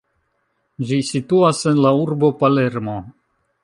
Ĝi situas en la urbo Palermo.